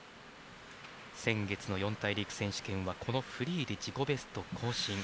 先月の四大陸選手権はこのフリーで自己ベスト更新。